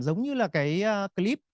giống như là cái clip